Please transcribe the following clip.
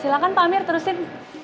silahkan pak amir terusin